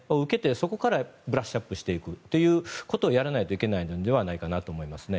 そこからブラッシュアップしていくということをやらないといけないのではないかと思いますね。